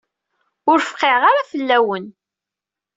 Ur fqiɛeɣ ara akk fell-awen.